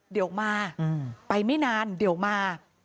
เดี๋ยวมาไปไม่นานเดี๋ยวมา